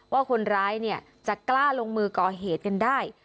ว่าคนร้ายเนี่ยจะกล้าลงมือก่อเหตุกันได้